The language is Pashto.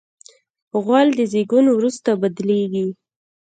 غول د زیږون وروسته بدلېږي.